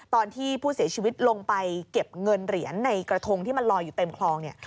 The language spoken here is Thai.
ตอนที่ผู้เสียชีวิตลงไปเก็บเงินเหรียญในกระทงที่มันลอยอยู่เต็มคลอง